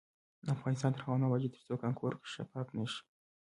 افغانستان تر هغو نه ابادیږي، ترڅو کانکور شفاف نشي.